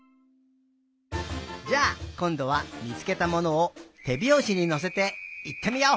じゃあこんどはみつけたものをてびょうしにのせていってみよう！